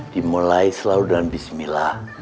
dimulai selalu dengan bismillah